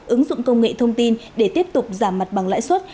ứng dụng công nghệ thông tin để tiếp tục giảm mặt bằng lãi suất